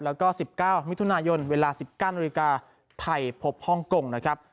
แล้วก็สิบเก้ามิทุนนายนเวลาสิบเก้านิวอริกาไทยพบฮ่องกงนะครับ